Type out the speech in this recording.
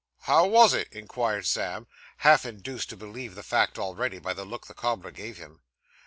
'How wos it?' inquired Sam, half induced to believe the fact already, by the look the cobbler gave him.